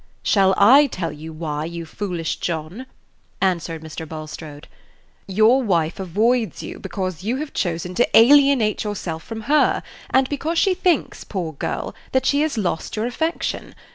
"Shall I tell you why, you foolish John?" answered Mr. Bulstrode. "Your wife avoids you because you have chosen to alienate yourself from her, and because she thinks, poor girl, that she has lost your affection.